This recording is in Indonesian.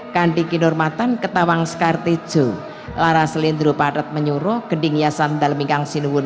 kandiki nurmatan ketawang skartiju lara selindru padat menyuro kedingiasan dalemingkang sinuun